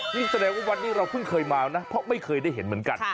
นี่แสดงว่าวันนี้เราเพิ่งเคยมานะเพราะไม่เคยได้เห็นเหมือนกัน